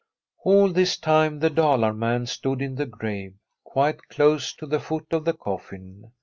All this time the Dalar man stood in the grave, quite close to the foot of the coffin.